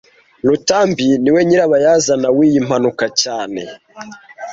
Rutambi niwe nyirabayazana w'iyi mpanuka cyane